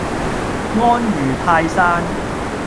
安如泰山